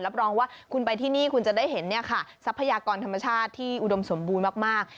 รองว่าคุณไปที่นี่คุณจะได้เห็นทรัพยากรธรรมชาติที่อุดมสมบูรณ์มาก